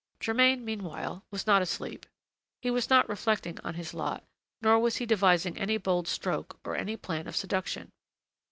Germain, meanwhile, was not asleep; he was not reflecting on his lot, nor was he devising any bold stroke, or any plan of seduction.